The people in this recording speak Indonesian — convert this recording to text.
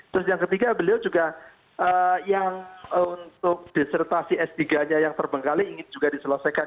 terus yang ketiga beliau juga yang untuk disertasi s tiga nya yang terbengkalai ingin juga diselesaikan